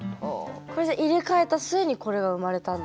これじゃあ入れ替えた末にこれは生まれたんだ。